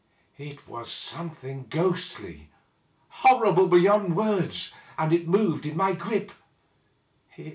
It was something ghostly, horrible beyond words, and it moved in my grip.